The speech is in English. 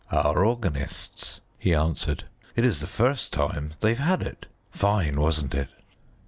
"Our organist's," he answered; "it is the first time they've had it. Fine, wasn't it?"